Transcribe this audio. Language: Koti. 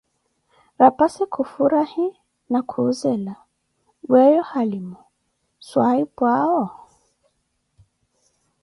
Raphassi khufurahi na kuh'zela: weeyo, halima swahiphu'awo?